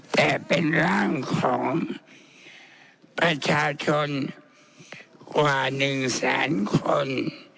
แต่เป็นร่างของประชาชนกว่า๑แสนคน